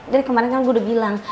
dari kemarin kan gue udah bilang